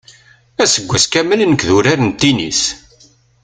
Aseggas kamel nekk d urar n tinis.